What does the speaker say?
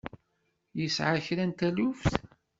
Yesɛa kra n taluft?